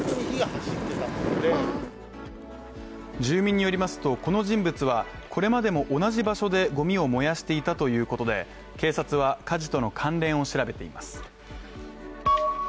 住民によりますと、この人物はこれまでも同じ場所でごみを燃やしていたということで警察は火事との関連を調べています。